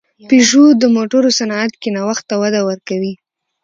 پيژو د موټرو صنعت کې نوښت ته وده ورکوي.